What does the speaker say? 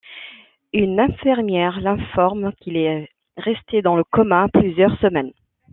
Une infirmière l'informe qu'il est resté dans le coma plusieurs semaines.